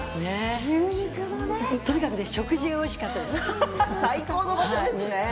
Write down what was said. とにかく食事がおいしかったです。